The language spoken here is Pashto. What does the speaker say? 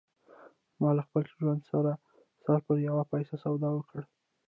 ما له خپل ژوند سره پر يوه پيسه سودا وکړه.